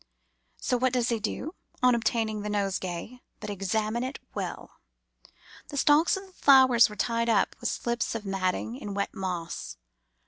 So what does he do, on obtaining the nosegay, but examine it well. The stalks of the flowers were tied up with slips of matting in wet moss.